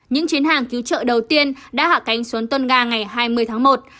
những chiến hàng cứu trợ đầu tiên đã hạ cánh xuống tonga ngày hai mươi tháng một